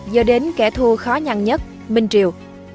do đến kẻ thù khó nhăn nhất minh triều